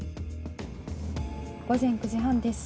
午前９時半です。